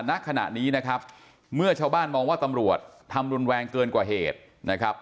ณขณะนี้นะครับเมื่อชาวบ้านมองว่าตำรวจทำรุนแรงเกินกว่าเหตุนะครับ